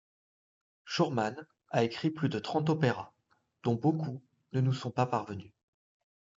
Schürmann a écrit plus de trente opéras, dont beaucoup ne nous sont pas parvenus.